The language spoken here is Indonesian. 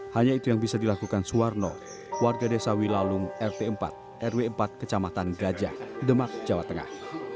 hanya itu yang bisa dilakukan suwarno warga desa wilalung rt empat rw empat kecamatan gajah demak jawa tengah